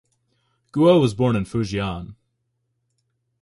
Guo was born in Fujian.